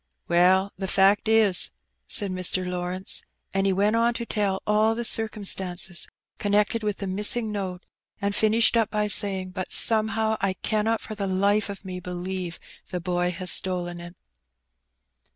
"Well, the fact is, said Mr. Lawrence, and he went on to tell all the circumstances connected with the missing note, and finished up by saying, "But somehow I cannot for the life of me believe the boy has stolen it.